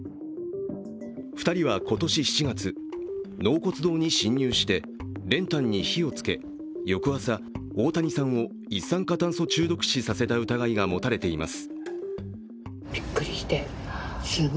２人は今年７月、納骨堂に侵入して練炭に火をつけ、翌朝、大谷さんを一酸化炭素中毒死させた疑いが持たれています。